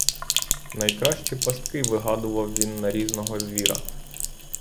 Найкращі пастки вигадував він на різного звіра.